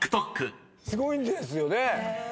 すごいんですよね。